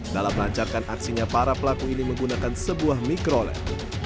dalam lancarkan aksinya para pelaku ini menggunakan sebuah mikroled